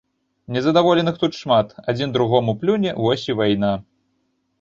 Незадаволеных тут шмат, адзін другому плюне, вось і вайна!